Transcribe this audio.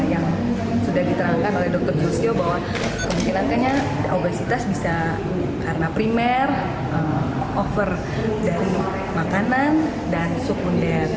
yang sudah diterangkan oleh dokter jusyo bahwa kemungkinankannya obesitas bisa karena primer over dari makanan dan suku menderit